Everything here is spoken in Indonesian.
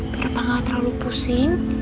biar apa gak terlalu pusing